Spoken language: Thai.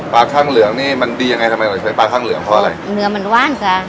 ปลาข้างเหลืองนี่มันดียังไงทำไมเราใช้ปลาข้างเหลืองเพราะอะไร